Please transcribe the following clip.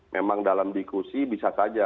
memang dalam diskusi bisa saja